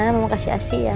mama kasih asi ya